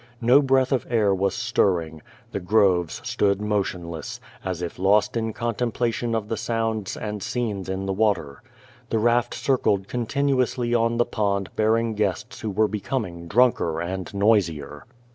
No breath of air was stirring. The groves stood motionless, as if lost in contem plation of the sounds and scenes in the water. The raft circled continuously on the pond bearing guests who were be coming drunker and noisier.